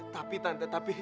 tapi tante tapi